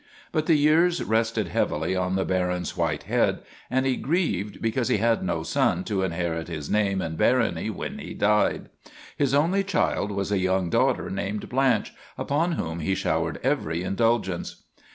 But the years rested heavily on the Baron's white head and he grieved because he had no son to in herit his name and barony when he died. His only child was a young daughter named Blanche, upon whom he showered every indulgence.